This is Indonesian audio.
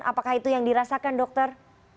apakah itu yang dirasakan dokter